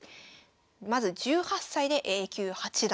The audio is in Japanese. まず「１８歳でＡ級八段」。